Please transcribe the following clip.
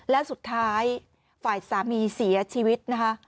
และสุดท้ายฝ่ายสามีเสียชีวิตนะคะ